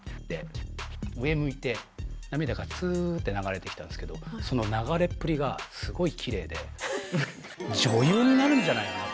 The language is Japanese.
上向いて涙がつって流れてきたんですけどその流れっぷりがすごいきれいで女優になるんじゃないかなって。